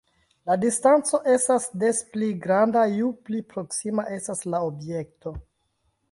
La distanco estas des pli granda ju pli proksima estas la objekto.